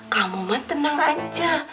kamu mah tenang aja